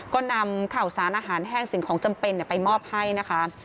ก็นำข่าวสารอาหารแห้งสิ่งของจำเป็นไปมอบให้นะคะ